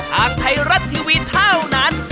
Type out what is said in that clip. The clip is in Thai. ทางไทยรัฐทีวีเท่านั้น